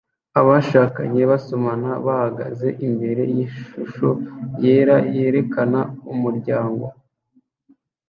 Abashakanye basomana bahagaze imbere yishusho yera yerekana umuryango